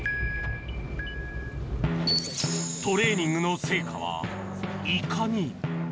トレーニングの成果はいかに？